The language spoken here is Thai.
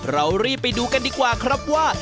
เรารีบไปดูกันดีกว่าครับว่า